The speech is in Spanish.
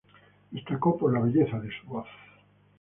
Destacó por la belleza de su voz.